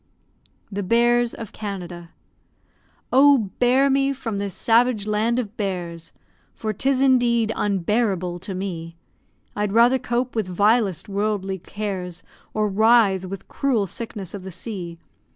THE BEARS OF CANADA Oh! bear me from this savage land of bears, For 'tis indeed unbearable to me: I'd rather cope with vilest worldly cares, Or writhe with cruel sickness of the sea.